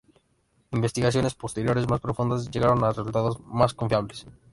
Investigaciones posteriores, más profundas, llegaron a resultados más confiables.